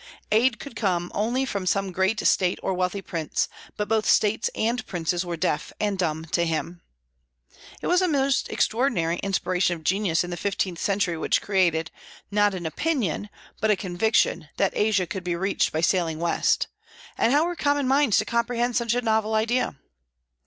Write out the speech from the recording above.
Aid could come only from some great state or wealthy prince; but both states and princes were deaf and dumb to him. It was a most extraordinary inspiration of genius in the fifteenth century which created, not an opinion, but a conviction that Asia could be reached by sailing west; and how were common minds to comprehend such a novel idea?